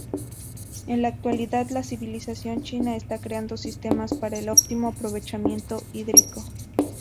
En la actualidad la civilización china está creando sistemas para el óptimo aprovechamiento hídrico.